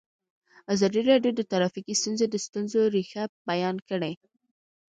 ازادي راډیو د ټرافیکي ستونزې د ستونزو رېښه بیان کړې.